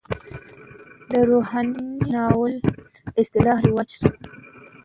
د روحاني ناول اصطلاح رواج شوه.